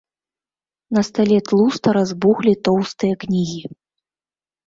На стале тлуста разбухлі тоўстыя кнігі.